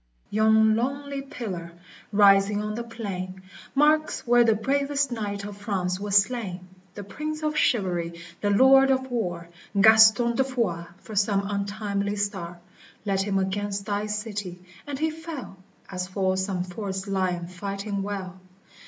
ra Yon lonely pillar, rising on the plain, Marks where the bravest knight of France was slain, The Prince of chivalry, the Lord of war, Gaston de Foix : for some untimely star Led him against thy city, and he fell, As falls some forest lion fighting well.